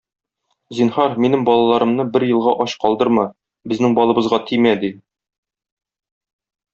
Зинһар, минем балаларымны бер елга ач калдырма, безнең балыбызга тимә,- ди.